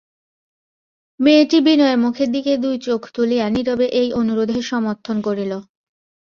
মেয়েটি বিনয়ের মুখের দিকে দুই চোখ তুলিয়া নীরবে এই অনুরোধের সমর্থন করিল।